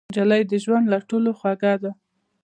نجلۍ د ژوند له ټولو خوږه ده.